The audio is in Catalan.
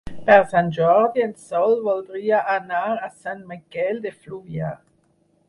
Per Sant Jordi en Sol voldria anar a Sant Miquel de Fluvià.